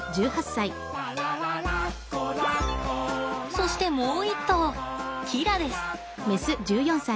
そしてもう一頭キラです。